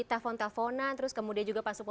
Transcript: telepon teleponan terus kemudian juga pak suku